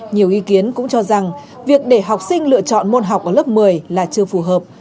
nhiều ý kiến cũng cho rằng việc để học sinh lựa chọn môn học ở lớp một mươi là chưa phù hợp